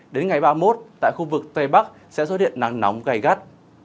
đến ngày ba mươi một tại khu vực tây bắc sẽ xuất hiện nắng nóng gây gắt